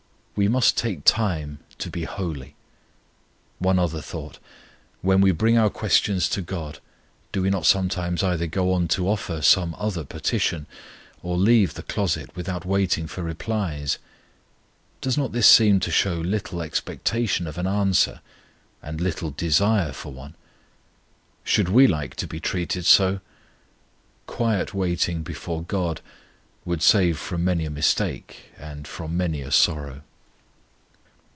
We must take time to be holy! One other thought. When we bring our questions to GOD, do we not sometimes either go on to offer some other petition, or leave the closet without waiting for replies? Does not this seem to show little expectation of an answer, and little desire for one? Should we like to be treated so? Quiet waiting before GOD would save from many a mistake and from many a sorrow.